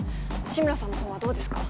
志村さんのほうはどうですか？